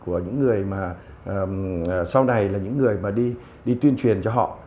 của những người mà sau này là những người mà đi tuyên truyền cho họ